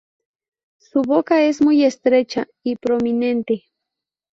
Su boca es muy estrecha y prominente.